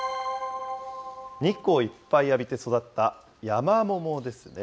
日光をいっぱい浴びて育ったヤマモモですね。